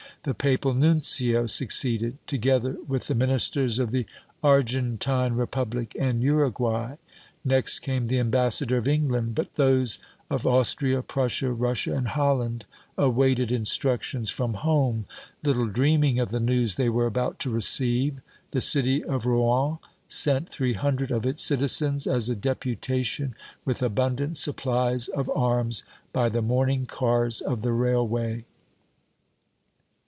The Papal Nuncio succeeded, together with the Ministers of the Argentine Republic and Uruguay. Next came the ambassador of England; but those of Austria, Prussia, Russia and Holland awaited instructions from home little dreaming of the news they were about to receive! The city of Rouen sent three hundred of its citizens as a deputation, with abundant supplies of arms, by the morning cars of the railway.